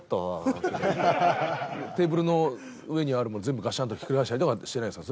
テーブルの上にあるもの全部ガシャン！ってひっくり返したりとかはしてないですか？